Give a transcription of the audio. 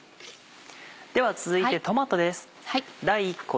では続いてトマトです。